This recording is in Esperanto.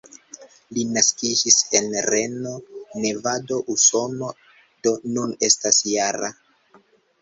Li naskiĝis en Reno, Nevado, Usono, do nun estas -jara.